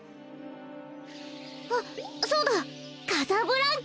あっそうだカサブランカ！